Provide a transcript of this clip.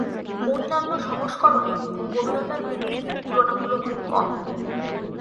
অন্যান্য সংস্করণে গভীরতার বিকৃতি তুলনামূলক কম।